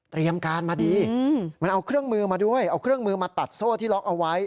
การมาดีมันเอาเครื่องมือมาด้วยเอาเครื่องมือมาตัดโซ่ที่ล็อกเอาไว้